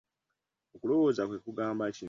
Okulowooza kwe kugamba ki?